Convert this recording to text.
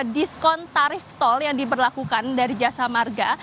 diskon tarif tol yang diberlakukan dari jasa marga